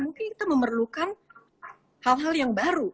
mungkin itu memerlukan hal hal yang baru